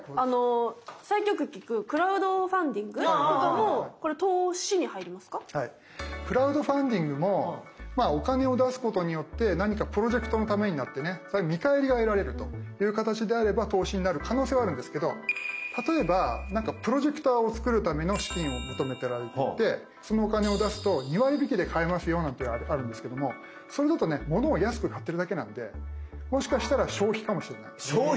最近よく聞くクラウドファンディングもお金を出すことによって何かプロジェクトのためになってね見返りが得られるという形であれば投資になる可能性はあるんですけど例えば何かプロジェクターを作るための資金を求めていてそのお金を出すと２割引きで買えますよなんていうのあるんですけどもそれだとね物を安く買ってるだけなんでもしかしたら消費かもしれない。